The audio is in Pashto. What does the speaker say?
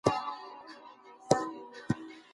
ورور مې وویل نن شپه به د سپوږمۍ رڼا کلي کې ډېره ښکلې وي.